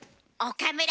岡村！